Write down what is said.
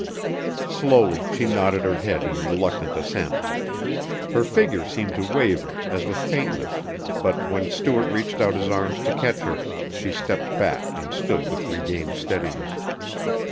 Slowly she nodded her head in reluctant assent. Her figure seemed to waver as with faintness, but when Stuart reached out his arms to catch her, she stepped back and stood with regained steadiness.